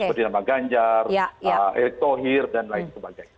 seperti nama ganjar erick thohir dan lain sebagainya